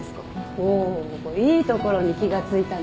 おいいところに気が付いたね。